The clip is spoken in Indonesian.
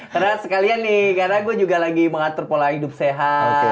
karena sekalian nih karena gue juga lagi mengatur pola hidup sehat